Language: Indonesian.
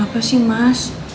apa sih mas